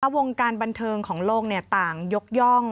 วงการบันเทิงของโลกต่างยกย่อง